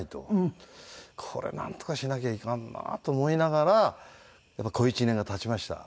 これなんとかしなきゃいかんなと思いながら小一年が経ちました。